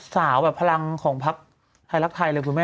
แบบพลังของพักไทยรักไทยเลยคุณแม่